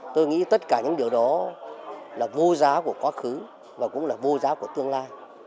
tôi nghĩ tất cả những điều đó là vô giá của quá khứ và cũng là vô giá của tương lai